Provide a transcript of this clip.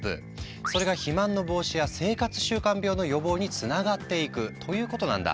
それが肥満の防止や生活習慣病の予防につながっていくということなんだ。